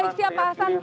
baik siap pak hasan